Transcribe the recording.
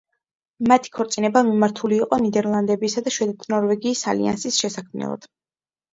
მათი ქორწინება მიმართული იყო ნიდერლანდებისა და შვედეთ-ნორვეგიის ალიანსის შესაქმნელად.